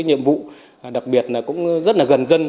nhiệm vụ đặc biệt là cũng rất là gần dân